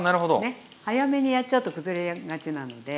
ねっ早めにやっちゃうと崩れがちなので。